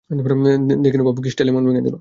দেখলি পাপ্পু, কী স্টাইলে মন ভেঙ্গে দিল।